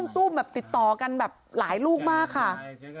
ตู้มแบบติดต่อกันแบบหลายลูกมากค่ะ